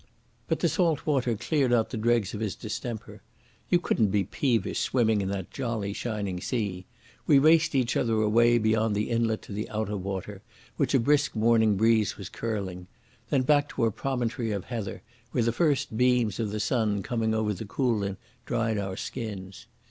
But the salt water cleared out the dregs of his distemper. You couldn't be peevish swimming in that jolly, shining sea. We raced each other away beyond the inlet to the outer water, which a brisk morning breeze was curling. Then back to a promontory of heather, where the first beams of the sun coming over the Coolin dried our skins.